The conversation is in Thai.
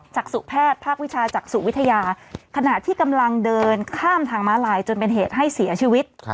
จากสู่แพทย์ภาควิชาจากสุวิทยาขณะที่กำลังเดินข้ามทางม้าลายจนเป็นเหตุให้เสียชีวิต